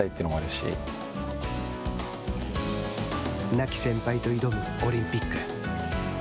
亡き先輩と挑むオリンピック。